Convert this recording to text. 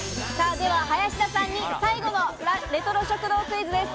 では林田さんに最後のレトロ食堂クイズです。